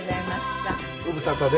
ご無沙汰です。